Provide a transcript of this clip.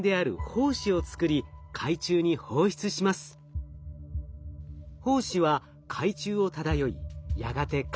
胞子は海中を漂いやがて海底に到着。